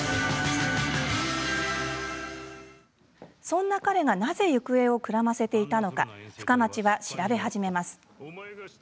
そんな彼がなぜ行方をくらませていたのか深町は調べ始めます。